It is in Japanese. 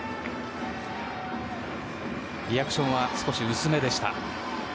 リアクションは少し薄めでした。